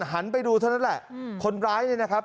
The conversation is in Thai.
หันไปดูเท่านั้นแหละคนร้ายเนี่ยนะครับ